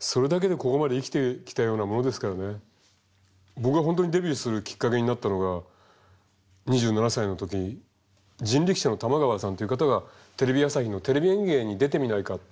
僕が本当にデビューするきっかけになったのが２７歳の時人力舎の玉川さんという方がテレビ朝日の「テレビ演芸」に出てみないかって。